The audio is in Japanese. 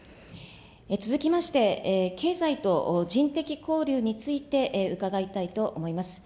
続きまして、経済と人的交流について伺いたいと思います。